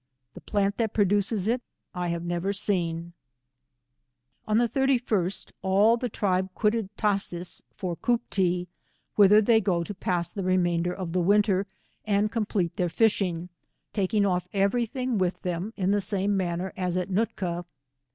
The plant that produces it I have never seen. On the 31 st, all the tribe quitted Tashees for Cooptee, wither they goto pass the remainder of the winter, and complete their fishing, taking off every thing with them in the «ame manner as at Nootka.